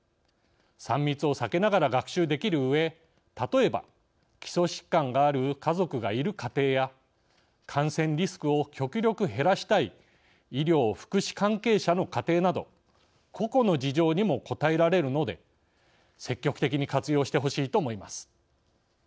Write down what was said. ３密を避けながら学習できるうえ例えば基礎疾患がある家族がいる家庭や感染リスクを極力減らしたい医療・福祉関係者の家庭など個々の事情にも応えられるので積極的に活用してほしいと思います。